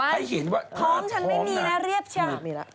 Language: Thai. ให้เห็นว่าท้องฉันไม่มีนะเรียบเชียว